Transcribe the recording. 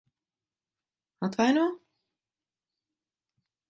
Atvaino?